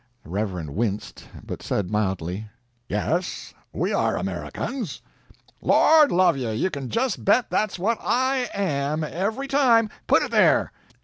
The Reverend winced, but said mildly: "Yes we are Americans." "Lord love you, you can just bet that's what I am, every time! Put it there!"